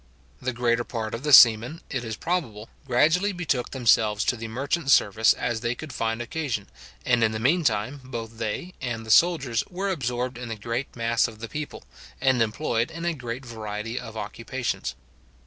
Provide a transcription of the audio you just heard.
The greater part of the seamen, it is probable, gradually betook themselves to the merchant service as they could find occasion, and in the mean time both they and the soldiers were absorbed in the great mass of the people, and employed in a great variety of occupations.